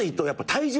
体重。